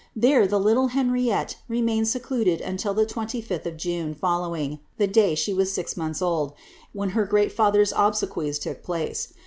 There the little Henriette remained secluded till the 25th of June following, the day she was six months old ; when her great taihor's obsequies look place.